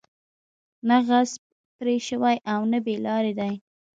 نه غضب پرې شوى او نه بې لاري دي.